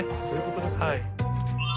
そういうことですね。